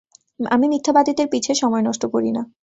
আমি মিথ্যাবাদীদের পিছে সময় নষ্ট করি না।